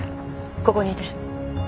ここにいて。